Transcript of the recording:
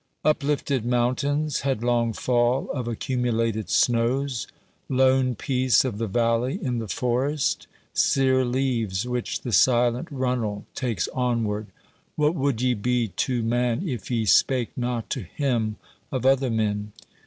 Uplifted mountains, headlong fall of accumulated snows, lone peace of the valley in the forest, sere leaves which the silent runnel takes onward, what would ye be to man if ye spake not to him of other men